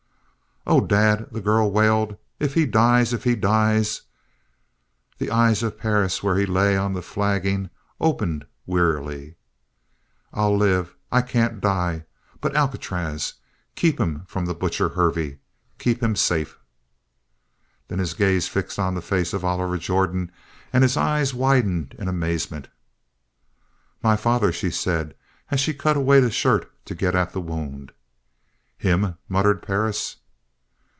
"Oh, Dad," the girl wailed, "if he dies if he dies " The eyes of Perris, where he lay on the flagging, opened wearily. "I'll live I can't die! But Alcatraz ... keep him from butcher Hervey ... keep him safe...." Then his gaze fixed on the face of Oliver Jordan and his eyes widened in amazement. "My father," she said, as she cut away the shirt to get at the wound. "Him!" muttered Perris.